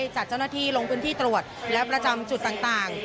จัดเจ้าหน้าที่ลงพื้นที่ตรวจและประจำจุดต่าง